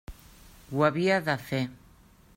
Ho havia de fer.